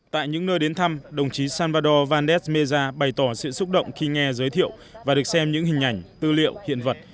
tại những nơi đến thăm đồng chí salvador vandes meza bày tỏ sự xúc động khi nghe giới thiệu và được xem những hình ảnh tư liệu hiện vật